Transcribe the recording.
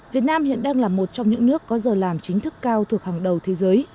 việt nam hiện đang là một trong những nước có giờ làm chính thức cao thuộc hàng đầu thế giới